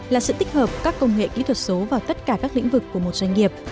là sự tích hợp các công nghệ kỹ thuật số vào tất cả các lĩnh vực của một doanh nghiệp